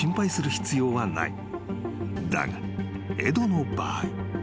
［だがエドの場合］